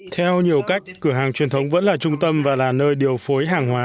theo nhiều cách cửa hàng truyền thống vẫn là trung tâm và là nơi điều phối hàng hóa